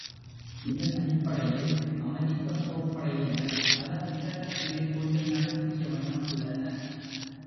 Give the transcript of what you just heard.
இதன் அடிப்படையில், அமெரிக்கப் போர்ப்படையினர் பல திட்டங்களை மேற்கொண்டு நடத்திய வண்ணம் உள்ளனர்.